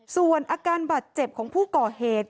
ส่วนอาการบาดเจ็บของผู้ก่อเหตุ